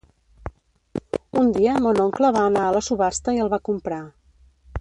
Un dia mon oncle va anar a la subhasta i el va comprar.